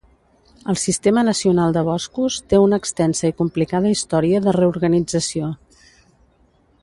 El Sistema Nacional de Boscos té una extensa i complicada història de reorganització.